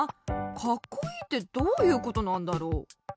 カッコイイってどういうことなんだろう？